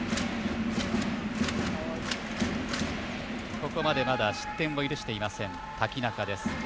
ここまで、まだ失点を許していません、瀧中です。